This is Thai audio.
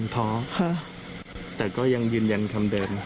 ท้อค่ะแต่ก็ยังยืนยันคำเดิม